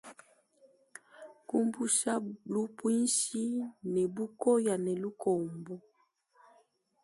Kumusha lupuishi ne bukoya ne lukombo.